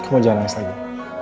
kamu jangan nangis lagi